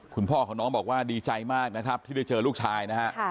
คุณพ่อของน้องบอกว่าดีใจมากนะครับที่ได้เจอลูกชายนะฮะ